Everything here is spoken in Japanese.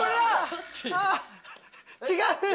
違う！